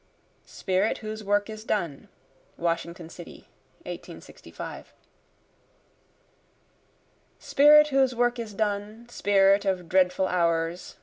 Spirit Whose Work Is Done [Washington City, 1865] Spirit whose work is done spirit of dreadful hours!